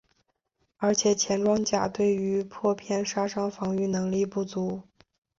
而且前装甲对于破片杀伤防御能力不足。